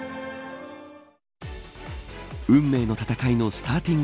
運命の戦いのスターティング